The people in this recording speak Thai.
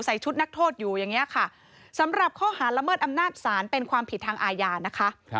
ชุดนักโทษอยู่อย่างนี้ค่ะสำหรับข้อหาละเมิดอำนาจศาลเป็นความผิดทางอาญานะคะ